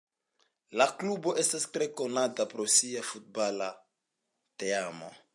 La klubo estas tre konata pro sia futbala teamo.